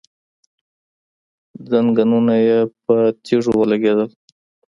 ځنګنونه يې پر تيږو ولګېدل.